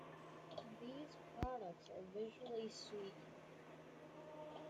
These products are usually sweetened.